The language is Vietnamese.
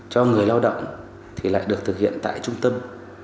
cho người lao động thì lại được thực hiện tại trung tâm